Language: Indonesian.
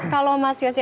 kalau mas yosi